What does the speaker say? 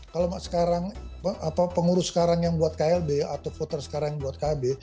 kalau sekarang pengurus sekarang yang buat klb atau voter sekarang yang buat kb